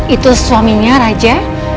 itu suaminya raja